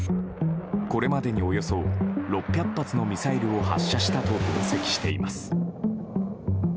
これまでにおよそ６００発のミサイルを発射したと分析しています。